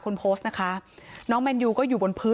คนโพสต์นะคะน้องแมนยูก็อยู่บนพื้น